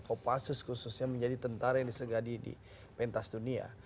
kopassus khususnya menjadi tentara yang disegadi di pentas dunia